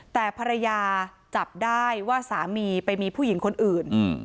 แต่ภรรยาจับได้ว่าสามีไปมีผู้หญิงคนอื่น